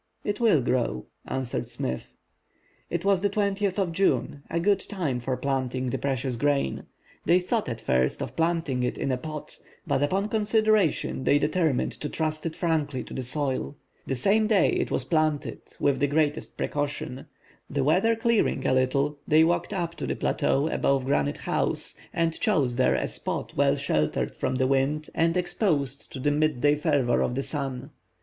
"It will grow," answered Smith. It was now the 20th of June, a good time for planting the precious grain. They thought at first of planting it in a pot; but upon consideration, they determined to trust it frankly to the soil. The same day it was planted, with the greatest precaution. The weather clearing a little, they walked up to the plateau above Granite House, and chose there a spot well sheltered from the wind, and exposed to the midday fervor of the sun.